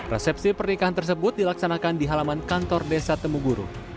resepsi pernikahan tersebut dilaksanakan di halaman kantor desa temuguru